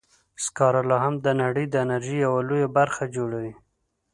سکاره لا هم د نړۍ د انرژۍ یوه لویه برخه جوړوي.